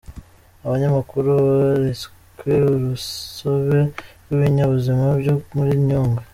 Abanyamakuru beretswe urusobe rw’ibinyabuzima byo muri Nyungwe